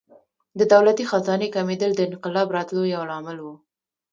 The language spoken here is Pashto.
د دولتي خزانې کمېدل د انقلاب راتلو یو لامل و.